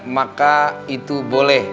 maka itu boleh